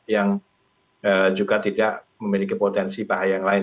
yang juga tidak memiliki potensi bahaya yang lain